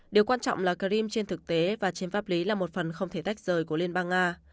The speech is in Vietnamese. điều quan trọng là clip trên thực tế và trên pháp lý là một phần không thể tách rời của liên bang nga